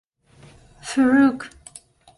Faruque.